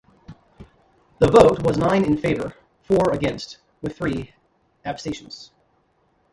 The vote was nine in favor, four against, with three abstentions.